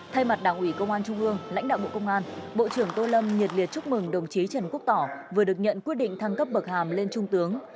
thay mặt đảng ủy công an trung ương lãnh đạo bộ công an bộ trưởng tô lâm nhiệt liệt chúc mừng đồng chí trần quốc tỏ vừa được nhận quyết định thăng cấp bậc hàm lên trung tướng